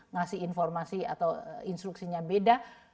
ngasih informasi atau instruksinya beda